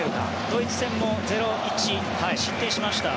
ドイツ戦も０−１失点しました。